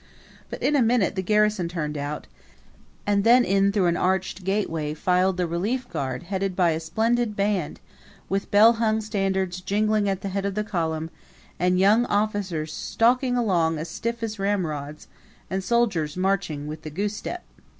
But in a minute the garrison turned out; and then in through an arched gateway filed the relief guard headed by a splendid band, with bell hung standards jingling at the head of the column and young officers stalking along as stiff as ramrods, and soldiers marching with the goosestep.